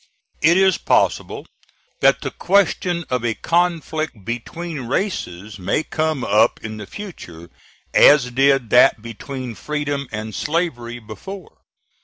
It is possible that the question of a conflict between races may come up in the future, as did that between freedom and slavery before.